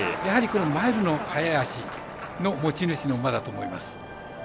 マイルの速い脚の持ち主の馬だと思います。